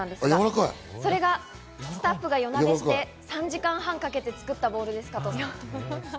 それがスタッフが夜なべして３時間半かけて作ったものです。